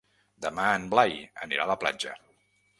Demà en Blai anirà a la platja.